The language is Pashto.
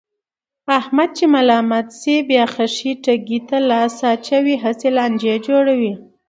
احمد چې کله ملامت شي، بیا خښې تیګې ته لاس اچوي، هسې لانجې جوړوي.